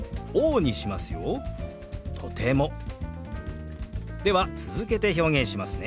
では続けて表現しますね。